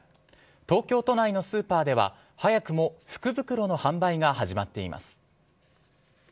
東京都内のスーパーでは、早くも福袋の販売が始まっています。